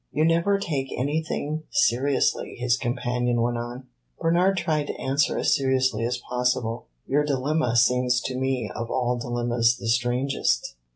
"You never take anything seriously," his companion went on. Bernard tried to answer as seriously as possible. "Your dilemma seems to me of all dilemmas the strangest."